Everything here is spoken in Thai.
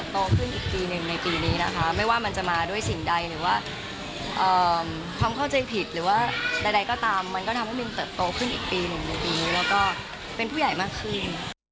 ถ้าเข้าใจผิดหรือว่าใดก็ตามมันก็ทำให้มินเติบโตขึ้นอีกปีหนึ่งในปีหนึ่งแล้วก็เป็นผู้ใหญ่มากขึ้น